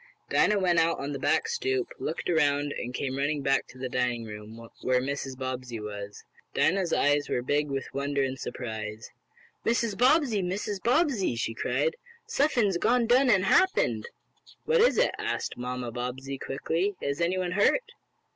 Dinah went out on the back stoop, looked around and came running back to the dining room, where Mrs. Bobbsey was. Dinah's eyes were big with wonder and surprise. "Mrs. Bobbsey! Mrs. Bobbsey!" she cried. "Suffin's done gone an' happened!" "What is it?" asked Mamma Bobbsey, quickly. "Is anyone hurt?"